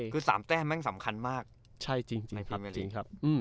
คือ๓แต้นแม่งสำคัญมากในพลังเมลิก